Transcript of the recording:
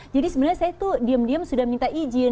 jadi sebenarnya saya tuh diam diam sudah minta izin